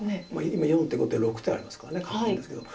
今４手５手６手ありますから勝ってるんですけど。